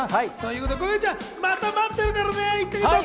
こがけんちゃん、また待ってるからね。